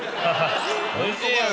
おいしいよね。